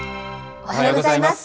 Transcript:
おはようございます。